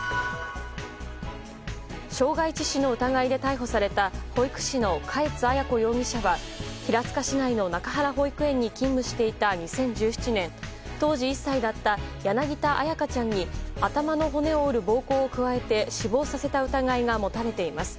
傷害致死の疑いで逮捕された保育士の嘉悦彩子容疑者は平塚市内の中原保育園に勤務していた２０１７年当時１歳だった柳田彩花ちゃんに頭の骨を折る暴行を加えて死亡させた疑いが持たれています。